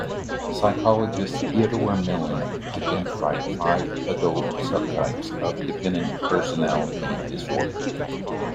Psychologist Theodore Millon identified five adult subtypes of dependent personality disorder.